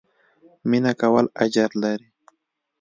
مينه کول اجر لري